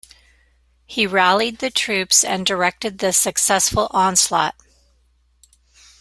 He "rallied the troops and directed the successful onslaught".